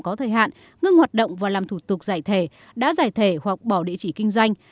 có thời hạn ngưng hoạt động và làm thủ tục giải thể đã giải thể hoặc bỏ địa chỉ kinh doanh